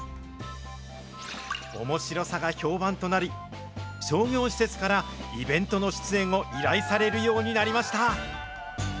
おもしろさが評判となり、商業施設からイベントの出演を依頼されるようになりました。